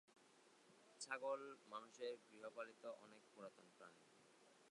ছাগল মানুষের গৃহপালিত অনেক পুরাতন প্রাণী।